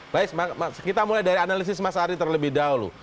baik kita mulai dari analisis mas ari terlebih dahulu